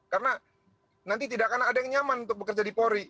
karena nanti tidak akan ada yang nyaman untuk bekerja di polri